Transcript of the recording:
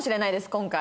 今回。